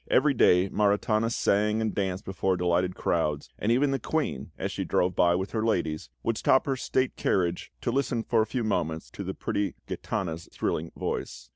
Every day Maritana sang and danced before delighted crowds; and even the Queen, as she drove by with her ladies, would stop her state carriage to listen for a few moments to the pretty Gitana's thrilling voice.